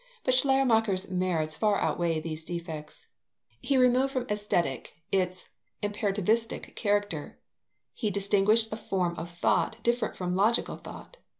But Schleiermacher's merits far outweigh these defects. He removed from Aesthetic its imperativistic character; he distinguished a form of thought different from logical thought.